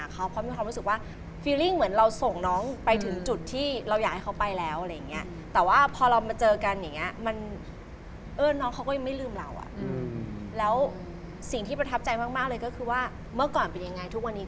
คนนี้เขามูอันนี้คนนั้นเขามูอันนั้น